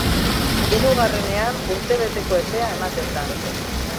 Hirugarrenean urtebeteko epea ematen da.